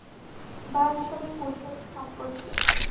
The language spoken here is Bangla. বা এসবের পরিণতি সম্পর্কে।